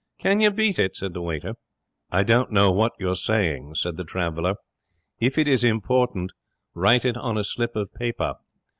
'Can you beat it?' said the waiter. 'I don't know what you are saying,' said the traveller. 'If it is important, write it on a slip of paper.